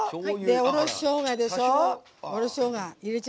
おろししょうがでしょ。